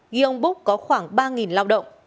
kiêung búc có khoảng ba lao động